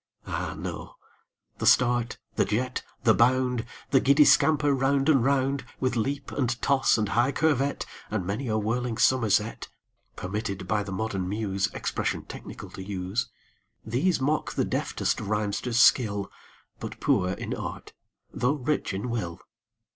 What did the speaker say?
Ah, no! the start, the jet, the bound, The giddy scamper round and round, With leap and toss and high curvet, And many a whirling somerset, (Permitted by the modern muse Expression technical to use) These mock the deftest rhymester's skill, But poor in art, though rich in will.